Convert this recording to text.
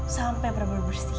sampai berburu buru bersih